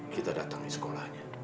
kita datang ke sekolahnya